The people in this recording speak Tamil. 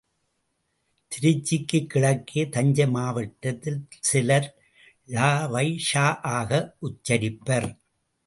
திருச்சிக்கு கிழக்கே, தஞ்சை மாவட்டத்தில் சிலர் ழ வை ஷ ஆக உச்சரிப்பர்.